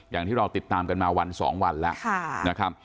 อย่างที่เราติดตามกันมาวัน๒วันแล้วนะครับ